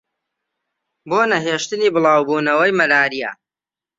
بۆ نەهێشتنی بڵاوبوونەوەی مەلاریا